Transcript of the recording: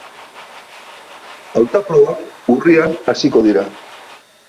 Hautaprobak urrian hasiko dira.